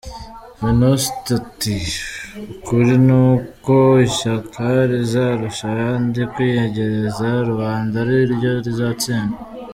Venuste ati “Ukuri ni uko, ishyaka rizarusha ayandi kwiyegereza rubanda ari ryo rizatsinda.